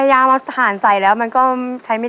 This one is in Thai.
ตัวเลือดที่๓ม้าลายกับนกแก้วมาคอ